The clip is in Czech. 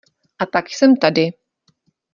A tak jsem tady.